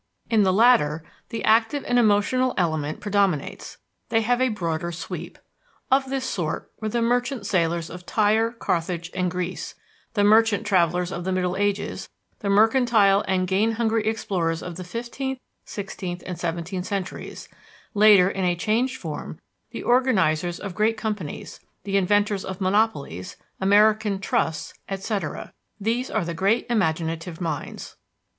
In the latter, the active and emotional element predominates. They have a broader sweep. Of this sort were the merchant sailors of Tyre, Carthage, and Greece; the merchant travelers of the Middle Ages, the mercantile and gain hungry explorers of the fifteenth, sixteenth, and seventeenth centuries; later, in a changed form, the organizers of great companies, the inventors of monopolies, American "trusts," etc. These are the great imaginative minds.